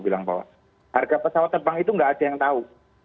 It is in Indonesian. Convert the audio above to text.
bilang bahwa harga pesawat terbang itu tidak ada yang tahu